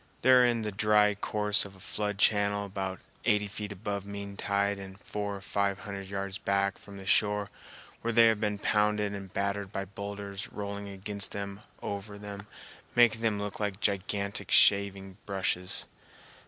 They are in the dry course of a flood channel about eighty feet above mean tide and four or five hundred yards back from the shore, where they have been pounded and battered by boulders rolling against them and over them, making them look like gigantic shaving brushes.